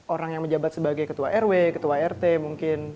orang yang menjabat sebagai ketua rw ketua rt mungkin